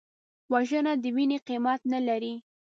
وژنه د وینې قیمت نه لري